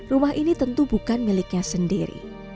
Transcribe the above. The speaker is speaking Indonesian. rumah ini tentu bukan miliknya sendiri